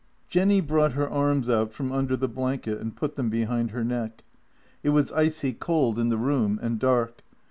IV J ENNY brought her arms out from under the blanket and put them behind her neck. It was icy cold in the room, and dark.